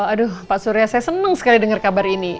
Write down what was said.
aduh pak surya saya senang sekali dengar kabar ini